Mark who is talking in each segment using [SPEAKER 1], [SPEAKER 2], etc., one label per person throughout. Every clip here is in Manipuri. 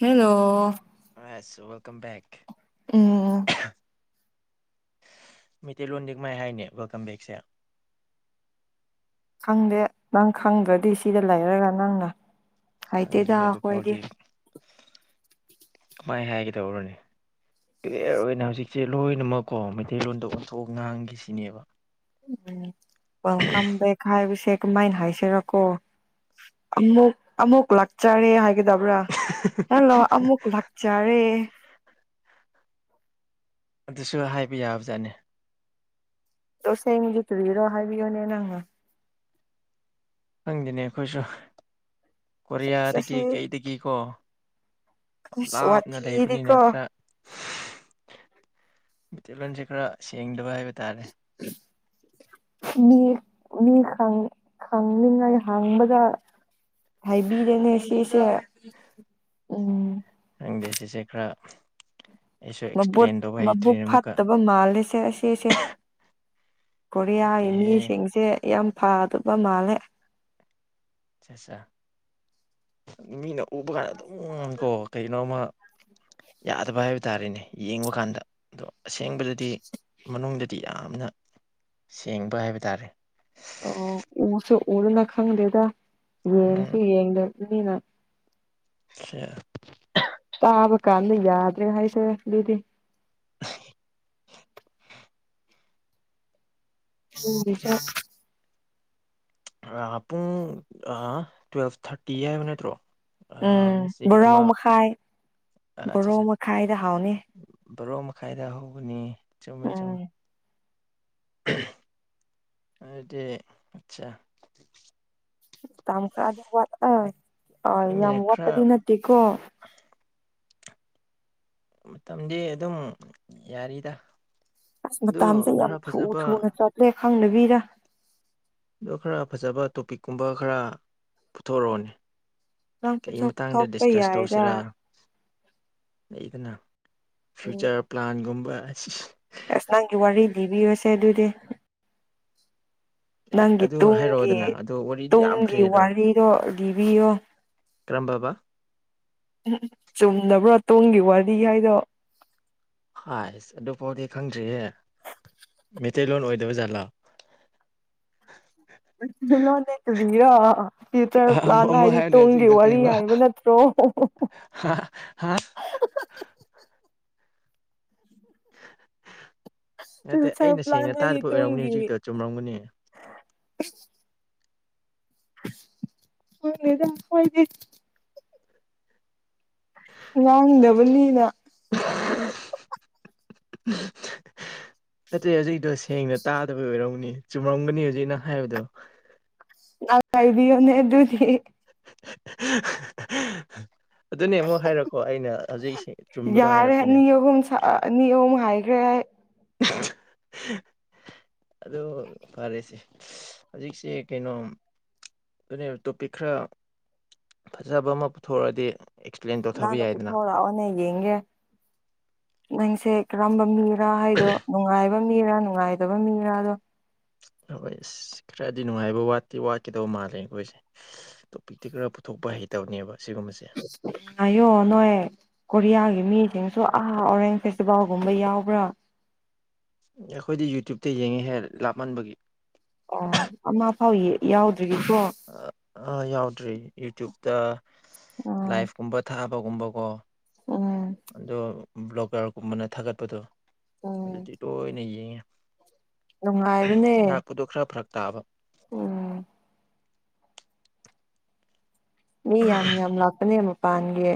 [SPEAKER 1] ꯍꯦꯜꯂꯣ
[SPEAKER 2] ꯑꯁ ꯋꯦꯜꯀꯝ
[SPEAKER 1] ꯎꯝ
[SPEAKER 2] ꯃꯩꯇꯩꯂꯣꯟꯗꯤꯛ ꯃꯥꯏ ꯍꯥꯏꯅꯤ ꯋꯦꯜꯀꯝ ꯕꯦꯛꯁꯦ
[SPEAKER 1] ꯈꯪꯗꯦ ꯅꯪ ꯈꯪꯗ꯭ꯔꯗꯤ ꯁꯤꯗ ꯂꯩꯔꯒ ꯅꯪꯅ ꯍꯥꯏꯥꯏ ꯇꯗ ꯍꯣꯏꯗꯤ
[SPEAKER 2] ꯃꯥꯏ ꯍꯥꯏꯒꯗꯧꯔꯅꯦ ꯀ꯭ꯂꯤꯌꯥꯔ ꯑꯣꯏꯅ ꯍꯧꯖꯤꯛꯁꯦ ꯂꯣꯏꯅꯃꯛꯀꯣ ꯃꯩꯇꯩꯂꯣꯟꯗ ꯑꯣꯟꯊꯣꯛꯑ ꯉꯥꯡꯈꯤꯁꯤꯅꯦꯕ
[SPEAKER 1] ꯎꯝ ꯦꯜꯀꯝ ꯕꯦꯛ ꯍꯥꯏꯕꯁꯦ ꯀꯃꯥꯏꯅ ꯍꯥꯏꯁꯤꯔꯀꯣ ꯑꯃꯨꯛ ꯑꯃꯨꯛ ꯂꯥꯛꯆꯔꯦ ꯍꯥꯏꯒꯗꯕ꯭ꯔꯥ ꯍꯜꯂꯣ ꯑꯃꯨꯛ ꯂꯥꯛꯆꯔꯦ
[SPEAKER 2] ꯑꯗꯨꯁꯨ ꯍꯥꯏꯕ ꯌꯥꯕꯖꯥꯠꯅꯤ
[SPEAKER 1] ꯇꯁꯦꯡꯅꯗꯤ ꯇꯨꯕꯤꯔꯣ ꯍꯥꯏꯕꯤꯌꯣꯅꯦ ꯅꯪ
[SPEAKER 2] ꯈꯪꯗꯤꯅꯦ ꯑꯩꯈꯣꯏꯁꯨ
[SPEAKER 1] ꯑꯁ
[SPEAKER 2] ꯀꯣꯔꯤꯌꯥꯗꯒꯤ
[SPEAKER 1] ꯑꯁꯤ
[SPEAKER 2] ꯀꯩꯗꯒꯤꯀꯣ ꯌꯥꯝ
[SPEAKER 1] ꯑꯁ
[SPEAKER 2] ꯂꯥꯞꯅ ꯂꯩꯕꯅꯤꯅ
[SPEAKER 1] ꯋꯥꯊꯤꯗꯤꯀꯣ
[SPEAKER 2] ꯈꯔ ꯃꯩꯇꯩꯜꯂꯣꯟꯁꯦ ꯈꯔ ꯁꯦꯡꯗꯕ ꯍꯥꯏꯕ ꯇꯥꯔꯦ
[SPEAKER 1] ꯃꯤ ꯃꯤ ꯈ ꯈꯪꯅꯤꯡꯉꯥꯏ ꯍꯪꯕꯗ ꯍꯥꯏꯕꯤꯔꯦꯅꯦ ꯁꯤꯁꯦ ꯎꯝ
[SPEAKER 2] ꯪꯗꯦꯁꯤꯁꯦ ꯈꯔ ꯑꯩꯁꯨ
[SPEAKER 1] ꯃꯠ
[SPEAKER 2] ꯑꯦꯛꯁꯄ꯭ꯂꯦꯟ ꯇꯧꯕ
[SPEAKER 1] ꯃꯕꯨꯛ
[SPEAKER 2] ꯍꯩꯇ꯭ꯔꯤꯅꯦ ꯑꯃꯨꯛꯀ
[SPEAKER 1] ꯐꯠꯇꯕ ꯃꯥꯜꯂꯦꯁꯦ ꯑꯁꯤꯦꯁꯦ ꯀꯣꯔꯤꯌꯥꯒꯤ
[SPEAKER 2] ꯅꯠꯇꯦꯍꯦ
[SPEAKER 1] ꯃꯤꯁꯤꯡꯁꯦ ꯌꯥꯝ ꯐꯗꯕ ꯃꯥꯜꯂꯦ
[SPEAKER 2] ꯑꯠꯆꯥ ꯑꯠꯆꯥ ꯃꯤꯅ ꯎꯕ ꯀꯥꯟꯗ ꯑꯗꯨꯝ ꯀꯣ ꯀꯩꯅꯣꯃ ꯌꯥꯗꯕ ꯍꯥꯏꯕ ꯇꯥꯔꯦꯅꯦ ꯌꯦꯡꯕ ꯀꯥꯟꯗ ꯑꯗꯣ ꯑꯁꯦꯡꯕꯗꯗꯤ ꯃꯅꯨꯡꯗ ꯤ ꯌꯥꯝꯅ ꯁꯦꯡꯕ ꯍꯥꯏꯕ ꯇꯥꯔꯦ
[SPEAKER 1] ꯑꯣ ꯎꯁꯨꯦ ꯎꯗꯅ ꯈꯪꯗꯦꯗ
[SPEAKER 2] ꯎꯝ
[SPEAKER 1] ꯌꯦꯡꯁꯨ ꯌꯦꯡꯗꯕꯅꯤꯅ
[SPEAKER 2] ꯑ
[SPEAKER 1] ꯇꯥꯕ ꯀꯅ ꯌꯥꯗ꯭ꯔꯦ ꯍꯥꯏꯥꯏꯁ ꯂꯤꯤꯗꯤ ꯍꯁ
[SPEAKER 2] ꯄꯨꯡ ꯇ꯭ꯋꯦꯜꯐ ꯊꯥꯔꯇꯤ ꯍꯥꯏꯕ ꯅꯠꯇ꯭ꯔꯣ ꯑꯥ
[SPEAKER 1] ꯎꯝ
[SPEAKER 2] ꯉꯁꯤꯒꯤ ꯑꯃ
[SPEAKER 1] ꯕꯣꯔꯥꯎ ꯃꯈꯥꯏ ꯕꯣꯔꯥꯎ ꯃꯈꯥꯏꯗ ꯍꯥꯎꯅꯤ
[SPEAKER 2] ꯕ꯭ꯔꯣ ꯃꯥꯏꯗ ꯍꯒꯅꯤ ꯆꯃꯦ ꯆ
[SPEAKER 1] ꯎꯝ
[SPEAKER 2] ꯗꯤ ꯑꯆꯥ
[SPEAKER 1] ꯇꯝ ꯑꯅꯤ ꯋꯥ ꯑ ꯌꯥꯝ
[SPEAKER 2] ꯈꯪꯗꯦꯅꯦ ꯈꯔ
[SPEAKER 1] ꯋꯥꯠꯇꯗꯤ ꯅꯠꯇꯦꯀꯣ
[SPEAKER 2] ꯃꯇꯝꯗꯤ ꯑꯗꯨꯝ ꯌꯥꯔꯤꯗ
[SPEAKER 1] ꯑꯁ
[SPEAKER 2] ꯑꯗꯨ
[SPEAKER 1] ꯃꯇꯁꯦ ꯌꯥꯝ
[SPEAKER 2] ꯈꯔ
[SPEAKER 1] ꯊꯨ
[SPEAKER 2] ꯐꯖꯕ
[SPEAKER 1] ꯊꯨꯅ ꯆꯠꯠꯇ꯭ꯔꯦ ꯈꯪꯅꯕꯤꯔ
[SPEAKER 2] ꯑꯗ ꯈꯔ ꯐꯖꯕ ꯇꯣꯄꯤꯛꯀꯨꯝꯕ ꯈꯔ ꯄꯨꯊꯣꯛꯣꯔꯛꯑꯣꯅꯦ
[SPEAKER 1] ꯅꯪ
[SPEAKER 2] ꯀ
[SPEAKER 1] ꯄꯨꯊꯣꯛ
[SPEAKER 2] ꯃꯇꯥꯡꯗ
[SPEAKER 1] ꯊꯣꯛꯄ
[SPEAKER 2] ꯗꯤꯁꯀꯁ
[SPEAKER 1] ꯌꯥꯏꯗ
[SPEAKER 2] ꯇꯧꯁꯤꯔꯥ ꯂꯩꯗꯅ ꯐ꯭ꯌꯨꯆꯔ ꯄ꯭ꯂꯥꯟꯒꯨꯝꯕ ꯑꯁꯤ
[SPEAKER 1] ꯑꯁꯅ ꯋꯥꯔꯤ ꯗꯕꯤꯁꯦ ꯑꯗꯨꯗꯤ
[SPEAKER 2] ꯑꯦ
[SPEAKER 1] ꯅꯪꯒꯤ
[SPEAKER 2] ꯑꯗꯨ
[SPEAKER 1] ꯇꯨꯡꯒꯤ
[SPEAKER 2] ꯍꯥꯏꯔꯛꯑꯣꯗꯅ ꯑꯗꯣ ꯋꯥꯔꯤꯗꯤ ꯌꯥꯝꯈ꯭ꯔꯦ
[SPEAKER 1] ꯇꯨꯡꯒꯤ ꯋꯥꯔꯤꯗꯣ ꯂꯤꯕꯤꯌꯣ
[SPEAKER 2] ꯀ꯭ꯔꯝꯕꯥꯕꯥ
[SPEAKER 1] ꯎꯝ ꯆꯨꯝꯗꯅꯕ꯭ꯔꯣ ꯇꯨꯡꯒꯤ ꯋꯥꯔꯤ ꯍꯥꯏꯗꯣ
[SPEAKER 2] ꯍꯥꯏꯁ ꯑꯗꯨꯐꯥꯎꯗꯤ ꯈꯪꯗ꯭ꯔꯤꯌꯦ ꯃꯩꯇꯩꯂꯣꯟ ꯑꯣꯏꯗꯕ ꯖꯥꯠꯂꯥ
[SPEAKER 1] ꯗꯤ ꯂꯣꯟ ꯂꯩꯇꯕꯤꯔꯌꯨꯇꯔ ꯂꯥꯟꯅ
[SPEAKER 2] ꯑꯃꯨꯛ
[SPEAKER 1] ꯍꯥꯏꯗꯤ
[SPEAKER 2] ꯍꯥꯏꯌꯨꯅꯦ
[SPEAKER 1] ꯇꯨꯡꯒꯤ
[SPEAKER 2] ꯍꯧꯖꯤꯛꯀꯤꯗꯣ
[SPEAKER 1] ꯋꯥꯔꯤ ꯍꯥꯏꯕ ꯅꯠꯇ꯭ꯔꯣ ꯑꯣ
[SPEAKER 2] ꯍꯥ ꯍꯥ ꯅꯠꯇꯦ
[SPEAKER 1] ꯐ꯭ꯌꯨꯆꯔ
[SPEAKER 2] ꯑꯩꯅ
[SPEAKER 1] ꯄ꯭ꯂꯥꯟ
[SPEAKER 2] ꯁꯦꯡꯅ
[SPEAKER 1] ꯍꯥꯏꯗꯤ
[SPEAKER 2] ꯇꯥꯗꯕ ꯑꯣꯏꯔꯝꯒꯅꯤ
[SPEAKER 1] ꯇꯨꯡꯒꯤ
[SPEAKER 2] ꯍꯧꯖꯤꯛꯇꯛꯇꯣ ꯆꯨꯝꯔꯝꯒꯅꯤ
[SPEAKER 1] ꯍꯣꯏꯗꯣꯏꯗꯤ ꯂꯥꯡꯗꯕꯂꯤꯅ
[SPEAKER 2] [unintelligible] ꯅꯠꯇꯦ ꯍꯧꯖꯤꯛꯗꯣ ꯁꯦꯡꯅ ꯇꯥꯗꯕꯩ ꯑꯣꯏꯔꯝꯅꯤ ꯆꯨꯝꯔꯝꯒꯅꯤ ꯍꯧꯖꯤꯛꯩꯅ ꯍꯥꯏꯕꯗꯣ
[SPEAKER 1] ꯀꯥꯏꯗꯤ ꯌꯅꯦꯗꯗꯤ
[SPEAKER 2] [inaudible] ꯑꯗꯨꯅꯦ ꯑꯃꯨꯛ ꯍꯥꯏꯔꯛꯀꯣ ꯑꯩꯅ ꯍꯧꯖꯤꯛ ꯆꯨꯝꯕꯗꯣ
[SPEAKER 1] ꯌꯥꯔꯦ
[SPEAKER 2] ꯍꯥꯏꯔꯛꯀꯦꯅꯦ
[SPEAKER 1] ꯇꯦ
[SPEAKER 2] [unintelligible] ꯑ ꯐꯔꯦꯁꯦ ꯍꯧꯖꯤꯛꯁꯦ ꯀꯩꯅꯣꯝ ꯑꯗꯨꯅꯦꯕ ꯇꯣꯄꯤꯛ ꯈꯔ ꯐꯖꯕ ꯑꯃ ꯄꯨꯊꯣꯔꯛꯑꯗꯤ ꯑꯦꯛꯁꯄ꯭ꯂꯦꯟ ꯇꯧꯊꯕ
[SPEAKER 1] ꯅꯪꯅꯣ
[SPEAKER 2] ꯌꯥꯏꯗꯅ
[SPEAKER 1] ꯄꯨꯊꯣꯔꯛꯑꯣꯅꯦ ꯌꯦꯡꯒꯦ ꯅꯪꯁꯦ ꯀꯔꯝꯕ ꯃꯤ ꯔ ꯍꯥꯏꯗꯣ ꯅꯨꯡꯉꯥꯏꯕ ꯃꯤꯔꯥ ꯅꯨꯡꯉꯥꯏꯇꯕ ꯃꯤꯔꯥꯗꯣ
[SPEAKER 2] ꯍꯣꯏ ꯑꯁ ꯈꯔꯗꯤ ꯅꯨꯡꯉꯥꯏꯕ ꯋꯥꯠꯇꯦ ꯋꯥꯠꯀꯗꯧ ꯃꯥꯜꯂꯦ ꯑꯩꯈꯣꯏꯁꯦ ꯇꯣꯄꯤꯛꯇꯤ ꯈꯔ ꯄꯨꯊꯣꯛ ꯍꯩ ꯇꯧꯅꯦꯕ
[SPEAKER 1] ꯑꯥꯏꯌꯣ ꯅꯣꯏ ꯀꯔꯤꯌꯥꯒꯤꯦꯃꯤꯠ ꯁꯨ ꯑꯍꯥ ꯑꯣꯔꯦꯟꯖ ꯐꯦꯁꯇꯤꯚꯦꯜꯒꯨꯝꯕ ꯌꯥꯎꯕ꯭ꯔꯥ
[SPEAKER 2] ꯑꯩꯈꯣꯏꯗꯤ ꯌꯨꯇ꯭ꯌꯨꯨꯞꯇ ꯌꯦꯡꯉꯦꯍꯦ ꯂꯥꯞꯃꯟꯕꯒꯤ
[SPEAKER 1] ꯑꯣ ꯑꯃ ꯐꯥꯎ ꯌꯥꯎꯗ꯭ꯔꯤꯀꯣ
[SPEAKER 2] ꯑ ꯑ ꯌꯥꯎꯗ꯭ꯔꯤ ꯌꯨꯇ꯭ꯌꯨꯕ ꯇ
[SPEAKER 1] ꯎꯝ
[SPEAKER 2] ꯂꯥꯏꯐ ꯀꯨꯝꯕ ꯊꯥꯕꯒꯨꯝꯕꯀꯣ
[SPEAKER 1] ꯎꯝ
[SPEAKER 2] ꯑꯗꯣ ꯕ꯭ꯂꯣꯀꯔꯒꯨꯝꯕꯅ ꯊꯥꯒꯠꯄꯗꯣ
[SPEAKER 1] ꯎꯝ
[SPEAKER 2] ꯑꯗꯨꯗꯤ ꯇꯣꯏꯅ ꯌꯦꯡꯉꯦ
[SPEAKER 1] ꯅꯨꯡꯉꯥꯏꯕꯅꯦ
[SPEAKER 2] ꯂꯥꯛꯄꯗꯣ ꯈꯔ ꯐꯔꯛ ꯇꯥꯕ
[SPEAKER 1] ꯎꯝ ꯃꯤ ꯌꯥꯝ ꯌꯥꯝ ꯂꯥꯛꯄꯅꯦ ꯃꯄꯥꯟꯒꯤ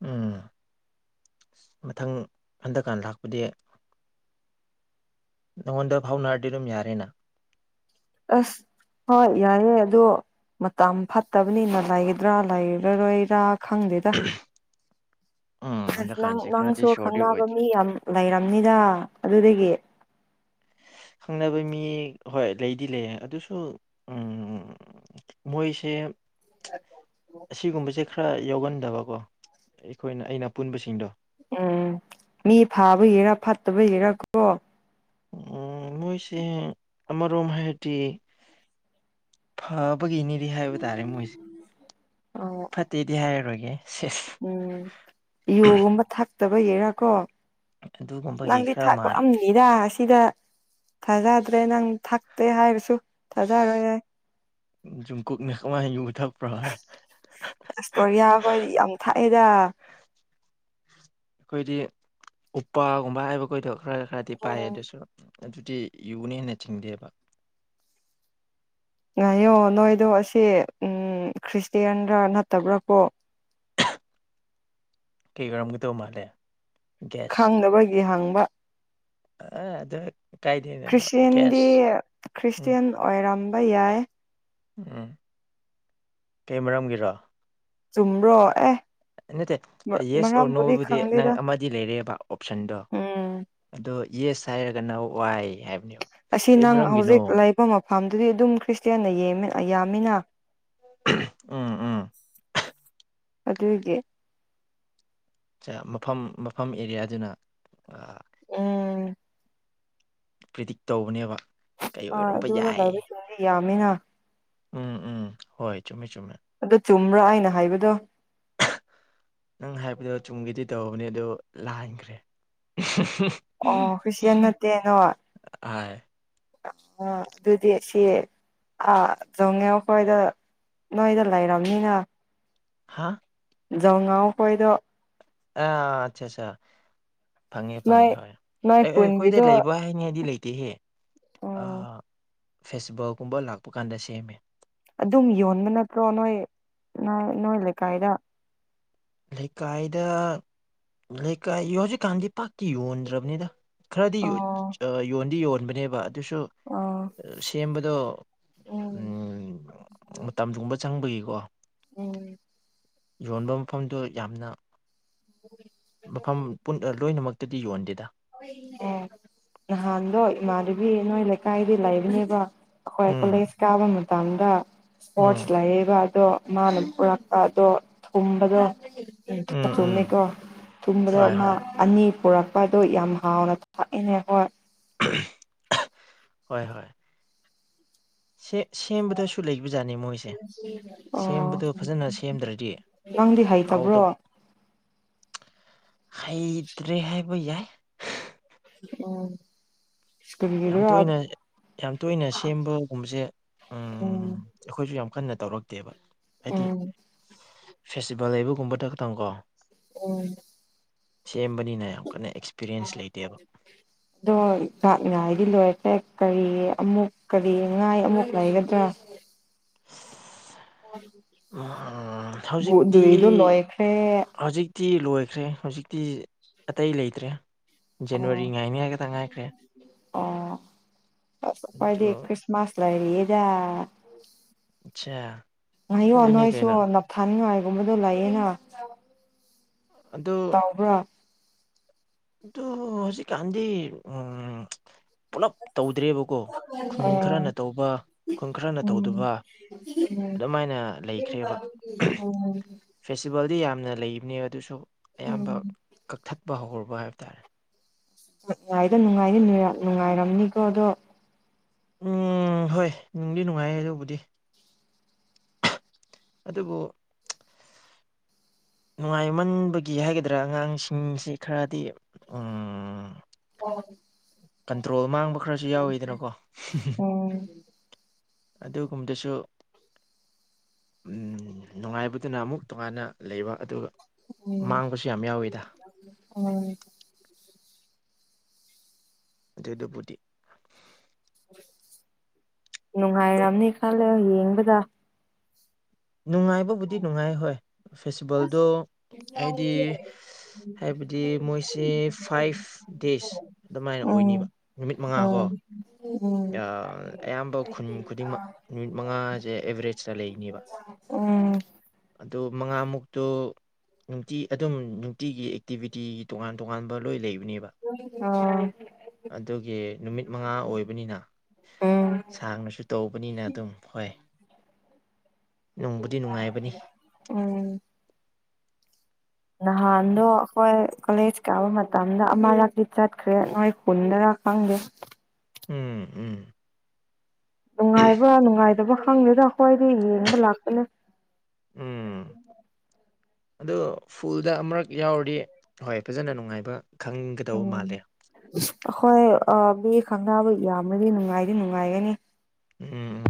[SPEAKER 2] ꯎꯝ ꯑ ꯃꯊꯪ ꯍꯟꯗꯛꯀꯥꯟꯗ ꯂꯥꯛꯄꯗꯤ ꯅꯉꯣꯟꯗ ꯐꯥꯎꯅꯔꯗꯤ ꯑꯗꯨꯝ ꯌꯥꯔꯦꯅ
[SPEAKER 1] ꯑꯁ ꯍ ꯌꯥꯏꯑꯦ ꯑꯗꯣ ꯃꯇꯝ ꯐꯠꯇꯕꯅꯤꯅ ꯂꯩꯒꯗ꯭ꯔꯥ ꯂꯩꯔꯔꯣꯏꯔꯥ ꯈꯪꯗꯦꯗ
[SPEAKER 2] ꯎꯝ
[SPEAKER 1] ꯑꯁ ꯅꯪ
[SPEAKER 2] ꯍꯟꯗꯛꯀꯥꯟꯁꯦ ꯈꯔꯗꯤ
[SPEAKER 1] ꯅꯪꯁꯨ
[SPEAKER 2] ꯁꯣꯔꯗꯤ
[SPEAKER 1] ꯈꯪꯅꯕ
[SPEAKER 2] ꯑꯣꯏꯗ꯭ꯔꯦ
[SPEAKER 1] ꯃꯤ ꯌꯥꯝ ꯂꯩꯔꯝꯅꯤꯗ ꯑꯗꯨꯗꯒꯤ [inaudible]
[SPEAKER 2] ꯈꯪꯅꯕ ꯃꯤ ꯍꯣꯏ ꯂꯩꯗꯤ ꯂꯩꯌꯦ ꯑꯗꯨꯁꯨ ꯃꯣꯏꯁꯦ ꯑꯁꯤꯒꯨꯝꯕꯁꯦ ꯈꯔ ꯌꯥꯎꯒꯟꯗꯕꯀꯣ ꯑꯩꯈꯣꯏꯅ ꯑꯩꯅꯄꯨꯟꯕꯁꯤꯡꯗꯣ
[SPEAKER 1] ꯎꯝ ꯃꯤ ꯐꯥꯕ ꯍꯔ ꯐꯠꯇꯕ ꯍꯔ ꯀꯣ
[SPEAKER 2] ꯎꯝ ꯃꯣꯏꯁꯦ ꯑꯃꯔꯣꯝ ꯍꯥꯏꯗꯤ ꯐꯕꯒꯤꯅꯤꯗꯤ ꯍꯥꯏꯕ ꯇꯥꯔꯦ ꯃꯣꯏꯁꯦ ꯐꯠꯇꯦꯗꯤ ꯍꯥꯏꯔꯔꯣꯏꯒꯦ ꯁꯦꯁ
[SPEAKER 1] ꯎꯝ ꯌꯣꯒꯨꯝꯕ ꯊꯛꯇꯕꯒꯤꯔꯥ ꯀꯣ
[SPEAKER 2] ꯑꯗꯨꯒꯨꯝꯕꯒꯤ
[SPEAKER 1] ꯅꯪꯗꯤ
[SPEAKER 2] ꯈꯔ
[SPEAKER 1] ꯊꯥꯀ
[SPEAKER 2] ꯃꯥꯜꯂꯦ
[SPEAKER 1] ꯑꯝ ꯅꯤꯔꯥꯁ ꯁꯤꯗ ꯊꯥꯖꯗ꯭ꯔꯦ ꯅꯪ ꯊꯛꯇꯦ ꯍꯥꯏꯔꯁꯨ ꯊꯥꯖꯔꯣꯏ ꯌꯥꯏ
[SPEAKER 2] ꯨꯝꯀꯨꯞ ꯃꯦꯍꯀꯃꯥ ꯍ ꯌꯨ ꯃꯥ
[SPEAKER 1] ꯑꯦꯁ ꯀꯣꯔꯤꯌꯥ ꯍꯣꯏꯗꯤ ꯌꯥꯝ ꯊꯥꯏꯑꯦꯗ
[SPEAKER 2] ꯑꯩꯈꯣꯏꯗꯤ ꯎꯄꯥꯒꯨꯝꯕ ꯍꯥꯏꯕꯈꯣꯏꯗꯣ ꯈꯔ ꯈꯔꯗꯤ ꯄꯥꯏ
[SPEAKER 1] ꯎꯝ
[SPEAKER 2] ꯑꯗꯨꯁꯨ ꯑꯗꯨꯗꯤ ꯌꯨꯅ ꯍꯦꯟꯅ ꯆꯤꯡꯗꯦꯕ
[SPEAKER 1] ꯉꯥꯏꯌꯣ ꯅꯣꯏꯗꯣ ꯑꯁꯤꯁꯦ ꯎ ꯈ꯭ꯔꯤꯁꯇꯌꯥꯦꯟꯔꯥ ꯅꯠꯇꯕ꯭ꯔꯥꯀꯣ
[SPEAKER 2] ꯀꯩ ꯀꯔꯝꯒꯗꯧ ꯃꯥꯜꯂꯦ
[SPEAKER 1] ꯈꯥꯡꯗꯕꯒꯤ ꯍꯥꯡꯕ
[SPEAKER 2] ꯑꯗ
[SPEAKER 1] ꯈ꯭ꯔꯤꯁꯇꯦꯟꯗꯤ
[SPEAKER 2] ꯎꯝ
[SPEAKER 1] ꯈ꯭ꯔꯤꯁꯇꯦꯟ ꯑꯣꯏꯔꯝꯕ ꯌꯥꯏ
[SPEAKER 2] ꯎꯝ ꯀꯩ ꯃꯔꯝꯒꯤꯔꯣ
[SPEAKER 1] ꯆꯨꯝꯕ꯭ꯔꯣ ꯑꯦ
[SPEAKER 2] ꯅꯠꯇꯦ ꯌꯦꯁ ꯑꯣꯔ
[SPEAKER 1] ꯃꯔꯝꯕꯨꯗꯤ
[SPEAKER 2] ꯅꯣꯕꯨꯗꯤ ꯅꯪ
[SPEAKER 1] ꯈꯪꯗꯦꯗ
[SPEAKER 2] ꯑꯃꯗꯤ ꯂꯩꯔꯦꯕ ꯑꯣꯞꯁꯟꯗꯣ
[SPEAKER 1] ꯎꯝ
[SPEAKER 2] ꯑꯗꯣ ꯌꯦꯁ ꯍꯥꯏꯔꯒꯅ ꯋꯥꯏ ꯍꯥꯏꯕꯅꯤ
[SPEAKER 1] ꯑꯁꯤ ꯅꯪ ꯍꯧꯖꯤꯛ ꯂꯩꯕ ꯃꯐꯝꯗꯨꯗꯤ ꯑꯗꯨꯝ ꯈ꯭ꯔꯤꯁꯇꯤꯌꯥꯅꯃꯤ ꯌꯥꯝꯃꯤꯅ [unintelligible]
[SPEAKER 2] ꯎꯝ ꯎꯝ
[SPEAKER 1] ꯑꯗꯨꯗꯦ
[SPEAKER 2] ꯃꯐꯝ ꯃꯐꯝ ꯑꯦꯔꯤꯌꯥꯗꯨꯅ
[SPEAKER 1] ꯎꯝ
[SPEAKER 2] ꯄ꯭ꯔꯤꯗꯤꯛ ꯇꯧꯕꯅꯦꯕ ꯀꯩ
[SPEAKER 1] ꯑꯥ
[SPEAKER 2] ꯑꯣꯏꯔꯝꯕ
[SPEAKER 1] ꯑꯗꯨꯅ
[SPEAKER 2] ꯌꯥꯏ
[SPEAKER 1] ꯂꯔꯁꯤꯡꯗꯤ ꯌꯥꯝꯃꯤꯅ
[SPEAKER 2] ꯎꯝ ꯎꯝ ꯍꯣꯏ ꯆꯨꯝꯃꯤ ꯆꯨꯝꯃꯤ
[SPEAKER 1] ꯑꯗꯣ ꯆꯨꯝꯕ꯭ꯔꯥ ꯍꯥꯏꯅ ꯍꯥꯏꯕꯗꯣ
[SPEAKER 2] ꯅꯪ ꯍꯥꯏꯕꯗꯣ ꯆꯨꯝꯒꯤꯗꯤ ꯇꯧꯕꯅꯦ ꯑꯗꯨ ꯂꯥꯏꯈ꯭ꯔꯦ
[SPEAKER 1] ꯑꯣ ꯈ꯭ꯔꯤꯁꯇꯌꯥꯥꯟ ꯅꯠꯇꯦ ꯅ
[SPEAKER 2] ꯍꯥꯏ
[SPEAKER 1] ꯑ ꯑꯗꯨꯗꯤ ꯁꯤ ꯑ ꯆꯣꯡꯉ ꯑꯩꯈꯣꯏꯗ ꯅꯣꯏ ꯏꯗ ꯂꯥꯏꯔꯅꯤ ꯉ
[SPEAKER 2] ꯍꯥꯥ
[SPEAKER 1] ꯉꯥꯎ ꯑꯩꯈꯣꯏꯗ
[SPEAKER 2] ꯑ ꯑꯆꯥ ꯑꯆꯥ ꯐꯪꯉꯦ
[SPEAKER 1] ꯅꯣꯏ
[SPEAKER 2] ꯐꯪꯉꯦ ꯍꯣꯏ
[SPEAKER 1] ꯅꯣꯏ
[SPEAKER 2] ꯑꯩꯈꯣꯏꯗ
[SPEAKER 1] ꯈꯨꯟꯒꯤꯗꯣ
[SPEAKER 2] ꯂꯩꯕ ꯍꯥꯏꯅꯤꯡꯉꯥꯏꯗꯤ ꯂꯩꯇꯦꯍꯦ
[SPEAKER 1] ꯎꯝ
[SPEAKER 2] ꯐꯦꯁꯕꯒꯨꯝꯕ ꯂꯥꯛꯄ ꯀꯥꯟꯗ ꯁꯦꯝꯃꯦ
[SPEAKER 1] ꯑꯗꯨꯝ ꯌꯣꯟꯕ ꯅꯠꯇ꯭ꯔꯣ ꯅꯣꯏ ꯅꯣꯏ ꯂꯩꯀꯥꯏꯗ
[SPEAKER 2] ꯂꯩꯀꯥꯏꯗ ꯂꯩꯀꯥꯏ ꯍꯧꯖꯤꯛꯀꯥꯟꯗꯤ ꯄꯥꯛꯇꯤ ꯌꯣꯟꯗ꯭ꯔꯕꯅꯤꯗ ꯈꯔꯗꯤ
[SPEAKER 1] ꯑꯣ
[SPEAKER 2] ꯌꯣꯟꯗꯤ ꯌꯣꯟꯕꯅꯦꯕ ꯑꯗꯨꯁꯨ
[SPEAKER 1] ꯑꯣ
[SPEAKER 2] ꯁꯦꯝꯕꯗꯣ ꯎꯝ ꯃꯇꯝꯗꯨꯨꯝꯕ ꯆꯪꯕꯒꯤ
[SPEAKER 1] ꯎꯝ
[SPEAKER 2] ꯌꯣꯟꯕ ꯃꯐꯝꯗꯨ ꯌꯥꯝꯅ
[SPEAKER 1] ꯎꯝ
[SPEAKER 2] ꯃꯐꯝ ꯂꯣꯏꯅꯃꯛꯇꯗꯤ ꯌꯣꯟꯗꯦꯗ
[SPEAKER 1] ꯑꯦ ꯅꯍꯥꯟꯗꯣ ꯏꯃꯥꯗꯨꯕꯤ ꯅꯣꯏ ꯂꯩꯀꯥꯏꯗꯤ ꯂꯩꯕꯅꯦꯕ ꯑꯩꯈꯣꯏ
[SPEAKER 2] ꯎꯝ
[SPEAKER 1] ꯀꯣꯂꯦꯖ ꯀꯥꯕ ꯃꯇꯝꯗ
[SPEAKER 2] ꯎꯝ
[SPEAKER 1] ꯏꯁꯄꯣꯔꯠꯁ ꯂꯩꯌꯦꯕ ꯑꯗꯣ ꯃꯥꯅ ꯄꯨꯔꯛꯄ ꯑꯗꯣ ꯊꯨꯝꯕꯗꯣ ꯎ
[SPEAKER 2] ꯎꯝ
[SPEAKER 1] ꯊꯔ
[SPEAKER 2] ꯎꯝ
[SPEAKER 1] ꯊꯨꯝꯃꯦꯀꯣ ꯊꯨꯝꯕꯗ
[SPEAKER 2] ꯍꯣꯏ
[SPEAKER 1] ꯑꯃ
[SPEAKER 2] ꯍꯣꯏ
[SPEAKER 1] ꯑꯅꯤ ꯄꯨꯔꯛꯄ ꯑꯗꯨ ꯌꯥꯝ ꯍꯥꯎꯅ ꯊꯥꯛꯏꯅꯦ ꯍꯣꯏ
[SPEAKER 2] ꯍꯣꯏ ꯍꯣꯏ ꯁꯦꯝꯕꯗꯁꯨ ꯂꯩꯕꯖꯥꯠꯅꯤ ꯃꯣꯏꯁꯦ ꯁꯦꯝꯕꯗꯣ ꯐꯖꯅ ꯁꯦꯝꯗ꯭ꯔꯗꯤ
[SPEAKER 1] ꯑꯣꯪ ꯗꯤ
[SPEAKER 2] ꯍꯥꯎꯗ
[SPEAKER 1] ꯍꯩꯇꯕ꯭ꯔꯣ
[SPEAKER 2] ꯍꯩꯇ꯭ꯔꯦ ꯍꯥꯏꯕ ꯌꯥꯏ
[SPEAKER 1] ꯎꯝ ꯇꯔꯤꯗ
[SPEAKER 2] ꯌꯥꯝ
[SPEAKER 1] ꯔ
[SPEAKER 2] ꯇꯣꯏꯅ ꯌꯥꯝ ꯇꯣꯏꯅ ꯁꯦꯝꯕꯒꯨꯝꯕꯁꯦ ꯎ
[SPEAKER 1] ꯎꯝ
[SPEAKER 2] ꯑꯩꯈꯣꯏꯁꯨ ꯌꯥꯝ ꯀꯟꯅꯦ ꯇꯧꯔꯛꯇꯦꯕ ꯍꯥꯏꯗꯤ
[SPEAKER 1] ꯎꯝ
[SPEAKER 2] ꯐꯦꯁꯇꯤꯚꯦꯜ ꯂꯩꯕꯒꯨꯝꯕꯗ ꯈꯛꯇꯪꯀꯣ
[SPEAKER 1] ꯑꯣ
[SPEAKER 2] ꯁꯦꯝꯕꯅꯤꯅꯦ ꯌꯥꯝ ꯀꯟꯅ ꯑꯦꯛꯁꯄꯤꯔꯤꯌꯦꯟꯁ ꯂꯩꯇꯦꯕ
[SPEAKER 1] ꯑꯗꯣ ꯉ ꯗꯤ ꯂꯣꯏꯔ ꯐꯦ ꯀꯔꯤ ꯑꯃꯨꯛ ꯀꯔꯤ ꯉꯥꯏ ꯑꯃꯨꯛ ꯂꯩꯒꯗ꯭ꯔꯥ
[SPEAKER 2] ꯍꯧꯖꯤꯛꯇꯤ
[SPEAKER 1] ꯗꯨꯏꯗꯣ ꯂꯣꯏꯈ꯭ꯔꯦ
[SPEAKER 2] ꯍꯧꯖꯤꯛꯇꯤ ꯇꯤ ꯂꯣꯏꯈ꯭ꯔꯦ ꯍꯧꯖꯤꯛꯇꯤ ꯑꯇꯩ ꯂꯩꯇ꯭ꯔꯦ ꯖꯅꯋꯥꯔꯤ ꯉꯥꯏꯅꯤ ꯍꯥꯏꯒꯇ ꯉꯥꯏꯈ꯭ꯔꯦ
[SPEAKER 1] ꯑꯣ ꯑ
[SPEAKER 2] ꯑꯗꯨ
[SPEAKER 1] ꯐꯥꯏꯗꯤ ꯀ꯭ꯔꯤꯁꯃꯥꯁ ꯂꯩꯔꯤꯛꯗ
[SPEAKER 2] ꯑꯠꯆꯥ
[SPEAKER 1] ꯉꯥꯏꯌꯣ
[SPEAKER 2] ꯑꯗꯨꯅꯤ
[SPEAKER 1] ꯅꯣꯏꯁꯨ
[SPEAKER 2] ꯀꯩꯅꯣ
[SPEAKER 1] ꯅꯞꯊꯥꯅꯤꯡꯉꯥꯏ ꯀꯃꯗꯂ ꯌꯦꯅ ꯇꯕ꯭ꯔꯥ
[SPEAKER 2] ꯣ ꯍꯧꯖꯤꯛ ꯀꯥꯟꯗꯤ ꯎ ꯄꯨꯂꯞ ꯇꯧꯗ꯭ꯔꯦꯕꯀꯣ ꯈꯨꯟ
[SPEAKER 1] ꯑꯥ
[SPEAKER 2] ꯈꯔꯅ ꯇꯧꯕ ꯈꯨꯟ ꯈꯔꯅ
[SPEAKER 1] ꯎꯝ
[SPEAKER 2] ꯇꯧꯗꯕ
[SPEAKER 1] ꯎꯝ
[SPEAKER 2] ꯑꯗꯨꯝꯥꯏꯅ ꯂꯩꯈ꯭ꯔꯦꯕ
[SPEAKER 1] ꯎꯝ
[SPEAKER 2] ꯐꯦꯁꯇꯤꯚꯦꯜꯗꯤ ꯌꯥꯝ ꯅ ꯂꯩꯕꯅꯦ ꯑꯗꯨꯁꯨ
[SPEAKER 1] ꯎꯝ
[SPEAKER 2] ꯑꯌꯥꯝꯕ ꯀꯛꯊꯠꯄ ꯍꯧꯔꯨꯕ ꯍꯥꯏꯕ ꯇꯥꯔꯦ
[SPEAKER 1] ꯌꯥꯏꯗ ꯅꯨꯡꯉꯥꯏꯗꯤ ꯅꯨꯡꯉꯥꯏꯔꯝꯅꯤꯀꯣ ꯑꯗꯣ
[SPEAKER 2] ꯎꯝ ꯍꯣꯏ ꯅꯨꯡꯗꯤ ꯅꯨꯡꯉꯥꯏ ꯑꯗꯨꯕꯨꯗꯤ ꯑꯗ ꯄꯣ
[SPEAKER 1] [unintelligible]
[SPEAKER 2] ꯅꯨꯡꯉꯥꯏꯃꯟꯕꯒꯤ ꯍꯥꯏꯒꯗ꯭ꯔꯥ ꯑꯉꯥꯡꯁꯤꯡꯁꯤ ꯈꯔꯗꯤ
[SPEAKER 1] ꯑꯣ
[SPEAKER 2] ꯀꯟꯇ꯭ꯔꯣꯜ ꯃꯥꯡꯕ ꯈꯔꯁꯨ ꯌꯥꯎꯋꯤꯗꯅꯀꯣ
[SPEAKER 1] ꯎꯝ
[SPEAKER 2] ꯑꯗꯨꯒꯨꯝꯕꯗꯁꯨ ꯅꯨꯡꯉꯥꯏꯕꯗꯨꯅ ꯑꯃꯨꯛ ꯇꯣꯉꯥꯟꯅ ꯂꯩꯕ ꯑꯗꯨꯒ
[SPEAKER 1] ꯎꯝ
[SPEAKER 2] ꯃꯥꯡꯒꯁꯤ ꯌꯥꯝꯌꯥ ꯑꯣꯏꯗ
[SPEAKER 1] ꯎꯝ
[SPEAKER 2] ꯑꯗꯨ ꯄꯇꯤ
[SPEAKER 1] ꯅꯨꯡꯉꯥꯏꯔꯝꯅꯤ ꯈꯜꯂꯦ ꯌꯦꯡꯕꯗ
[SPEAKER 2] ꯅꯨꯡꯉꯥꯏꯕꯕꯨꯗꯤ ꯅꯨꯡꯉꯥꯏ ꯍꯣꯏ ꯐꯦꯁꯇꯤꯚꯦꯜꯗꯣ ꯍꯥꯏꯗꯤ ꯍꯥꯏꯕꯗꯤ ꯃꯣꯏꯁꯦ ꯐꯥꯏꯚ ꯗꯦꯖ ꯑꯗꯨꯃꯥꯏꯅ
[SPEAKER 1] ꯎꯝ
[SPEAKER 2] ꯑꯣꯏꯅꯤꯕ ꯅꯨꯃꯤꯠ ꯃꯉꯥ ꯀꯣ
[SPEAKER 1] [unintelligible]
[SPEAKER 2] ꯑꯌꯥꯝꯕ ꯈꯨꯟ ꯈꯨꯗꯤꯡꯃꯛ ꯅꯨꯃꯤꯠ ꯃꯉꯥꯁꯦ ꯑꯦꯕꯔꯦꯖꯇ ꯂꯩꯅꯦꯕ
[SPEAKER 1] ꯎꯝ
[SPEAKER 2] ꯑꯗꯨ ꯃꯉꯥꯃꯨꯛꯇꯨ ꯅꯨꯡꯇꯤ ꯑꯗꯨꯝ ꯅꯨꯡꯇꯤꯒꯤ ꯑꯦꯛꯇꯤꯚꯤꯇꯤꯒꯤ ꯇꯣꯉꯥꯟ ꯇꯣꯉꯥꯟꯕ ꯂꯣꯏ ꯂꯩꯕ
[SPEAKER 1] ꯑꯥ
[SPEAKER 2] ꯅꯨ ꯃ ꯅ
[SPEAKER 1] ꯎꯝ
[SPEAKER 2] ꯁꯥꯡꯅꯁꯨ ꯇꯧꯕꯅꯤꯅ ꯑꯗꯨꯝ ꯍꯣꯏ ꯅꯨꯡꯕꯨꯗꯤ ꯅꯨꯡꯉꯥꯏꯕꯅꯤ
[SPEAKER 1] ꯎꯝ ꯅꯍꯥꯟꯗꯣ ꯑꯩꯈꯣꯏ ꯀꯣꯂꯦꯖ ꯀꯥꯕ ꯃꯇꯝꯗ ꯑꯃꯔꯛꯇꯤ ꯆꯠꯈ꯭ꯔꯦ ꯅꯣꯏ ꯍꯨꯟꯗꯔꯥ ꯈꯪꯗꯦ
[SPEAKER 2] ꯎꯝ ꯎꯝ
[SPEAKER 1] ꯅꯨꯡꯉꯥꯏꯕ ꯅꯨꯡꯉꯥꯏꯇꯕ ꯈꯪꯂꯉꯦꯒ ꯑꯩ꯭ꯋꯥꯏꯗꯤ ꯌꯦꯡꯕ ꯂꯥꯛꯄꯅꯦ
[SPEAKER 2] ꯎꯝ ꯑꯗꯣ ꯐꯨꯜ ꯑꯗꯨꯗ ꯑꯃꯨꯔꯛ ꯌꯥꯎꯔꯗꯤ ꯍꯣꯏ ꯐꯖꯅ ꯅꯨꯡꯉꯥꯏꯕ ꯈꯪꯒꯗꯧꯕ ꯃꯥꯜꯂꯦ
[SPEAKER 1] ꯍꯈꯣꯏ ꯃꯤ ꯈꯪꯒꯥꯕꯨ ꯌꯥꯝꯅꯗꯤ ꯅꯨꯡꯉꯥꯏꯗꯤ ꯅꯨꯡꯉꯥꯏꯒꯅꯤ
[SPEAKER 2] ꯎꯝ